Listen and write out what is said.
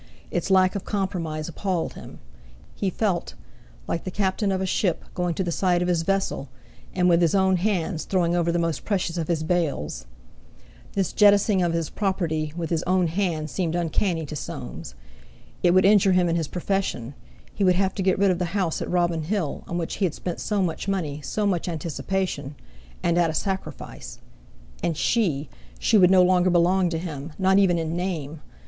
Its lack of compromise appalled him; he felt—like the captain of a ship, going to the side of his vessel, and, with his own hands throwing over the most precious of his bales. This jettisoning of his property with his own hand seemed uncanny to Soames. It would injure him in his profession: He would have to get rid of the house at Robin Hill, on which he had spent so much money, so much anticipation—and at a sacrifice. And she! She would no longer belong to him, not even in name!